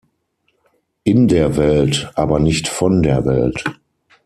In der Welt, aber nicht von der Welt.